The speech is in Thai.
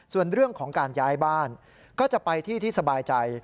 ส่วนเรื่องของการย้ายบ้านก็จะไปที่ที่สบายใจ